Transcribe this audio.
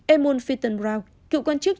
eamon fittenbrough cựu quan chức